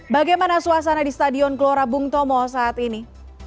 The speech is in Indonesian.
bagaimana suasana di stadion glorabung tomo saat ini